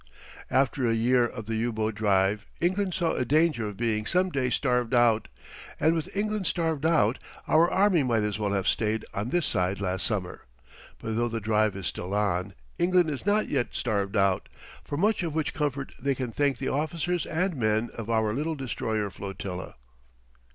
After a year of the U boat drive England saw a danger of being some day starved out; and with England starved out, our army might as well have stayed on this side last summer; but though the drive is still on, England is not yet starved out, for much of which comfort they can thank the officers and men of our little destroyer flotilla.